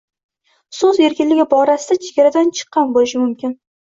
so‘z erkinligi borasida chegaradan chiqqan bo‘lishi mumkin